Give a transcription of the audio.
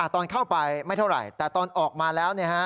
ตอนเข้าไปไม่เท่าไหร่แต่ตอนออกมาแล้ว